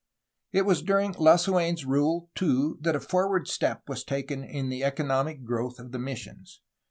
It was during Lasu^n's rule, too, that a forward step was taken in the economic growth of the missions.